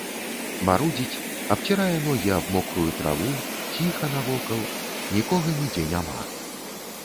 Марудзіць, абцірае ногі аб мокрую траву, ціха навокал, нікога нідзе няма.